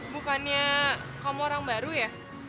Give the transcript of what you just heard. bukannya kamu orang baru ya